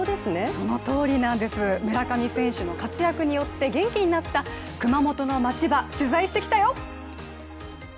そのとおりなんです、村上選手の活躍によって元気になった熊本の街ば、取材してきたよ！